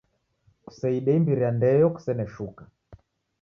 Kuseide imbiri ya ndeo kusene shuka.